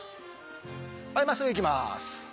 はい真っすぐ行きます。